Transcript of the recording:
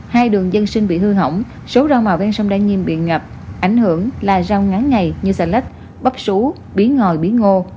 hai đường dân sinh bị hư hỏng số rau màu ven sông đa nhiêm bị ngập ảnh hưởng là rau ngắn ngày như xà lách bắp sú bí ngòi bí ngô